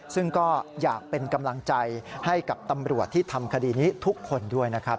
ซึ่งก็อยากเป็นกำลังใจให้กับตำรวจที่ทำคดีนี้ทุกคนด้วยนะครับ